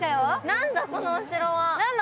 なんだ、このお城は？